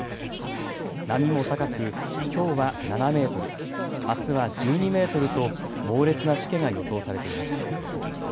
波も高くきょうは７メートル、あすは１２メートルと猛烈なしけが予想されています。